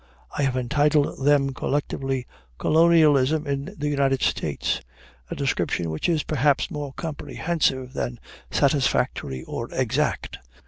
I have entitled them collectively "Colonialism in the United States," a description which is perhaps more comprehensive than satisfactory or exact.